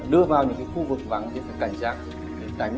doanh nghiệpp title thú vị cho bang lích chương trìnhchristismanty